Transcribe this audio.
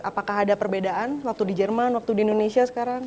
apakah ada perbedaan waktu di jerman waktu di indonesia sekarang